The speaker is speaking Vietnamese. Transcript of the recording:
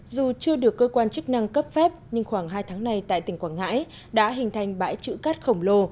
dù chưa được cơ quan chức năng cấp phép nhưng khoảng hai tháng này tại tỉnh quảng ngãi đã hình thành bãi chữ cát khổng lồ